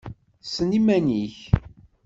Ssen iman-ik!